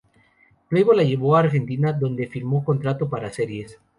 Playboy la llevó a Argentina, donde firmó contrato para series.